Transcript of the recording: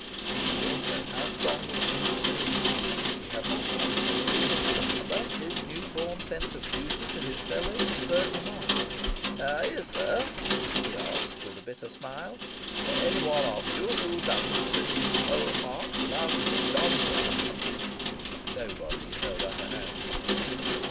He knew also how strong was Zuleika's. He had not much hope of the issue. But his new born sense of duty to his fellows spurred him on. "Is there," he asked with a bitter smile, "any one of you who doesn't with his whole heart love Miss Dobson?" Nobody held up a hand.